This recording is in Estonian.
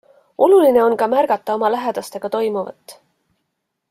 Oluline on ka märgata oma lähedastega toimuvat.